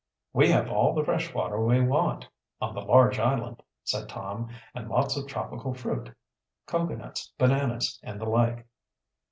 "We have all the fresh water we want, on the large island," said Tom. "And lots of tropical fruit cocoanuts, bananas, and the like."